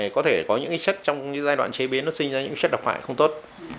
có thể có những chất trong giai đoạn chế biến nó sinh ra những chất độc hại không tốt